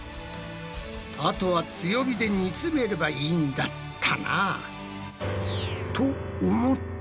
あとは強火で煮詰めればいいんだったな。